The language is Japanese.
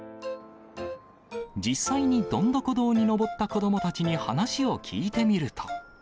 実際にどんどこ堂に上った子どもたちに話を聞いてみると。